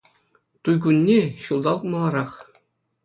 Туй кунне — ҫулталӑк маларах